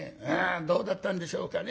どうだったんでしょうかね。